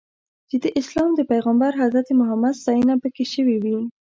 چې د اسلام د پیغمبر حضرت محمد ستاینه پکې شوې وي.